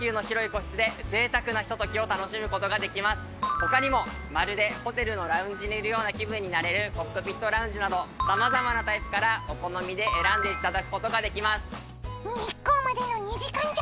他にもまるでホテルのラウンジにいるような気分になれるコックピットラウンジなどさまざまなタイプからお好みで選んでいただくことができます。